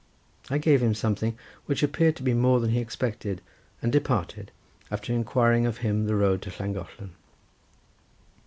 I gave him something, which appeared to be more than he expected, and departed, after inquiring of him the road to Llangollen.